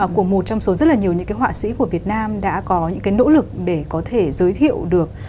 của một trong số rất là nhiều những cái họa sĩ của việt nam đã có những cái nỗ lực để có thể giới thiệu được